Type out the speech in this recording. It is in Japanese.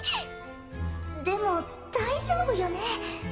でも大丈夫よね？